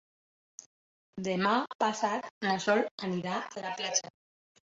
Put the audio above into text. Demà passat na Sol anirà a la platja.